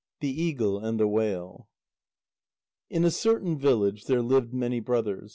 THE EAGLE AND THE WHALE In a certain village there lived many brothers.